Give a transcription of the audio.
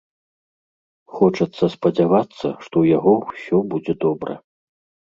Хочацца спадзявацца, што ў яго ўсё будзе добра.